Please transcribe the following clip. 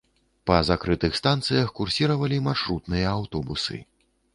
Па закрытых станцыях курсіравалі маршрутныя аўтобусы.